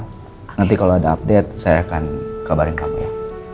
nanti kalau ada update saya akan kabarin kamu ya